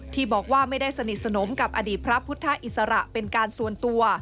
ที่บอกว่าไม่ได้สนิทสนมกับอดีตพระพุทธอิสระเป็นการส่วนตัว